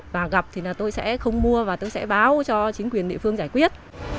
và gặp thì là tôi sẽ không mua và tôi sẽ báo cho chính quyền địa phương giải quyết